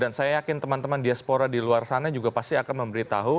dan saya yakin teman teman diaspora di luar sana juga pasti akan memberitahu